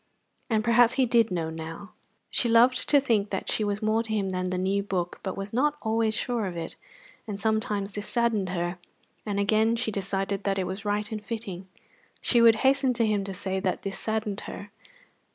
And perhaps he did know now. She loved to think that she was more to him than the new book, but was not always sure of it; and sometimes this saddened her, and again she decided that it was right and fitting. She would hasten to him to say that this saddened her.